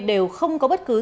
đều không có bất kỳ lựa chọn